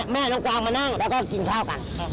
แม่น้องกวางมานั่งแล้วก็กินข้าวกัน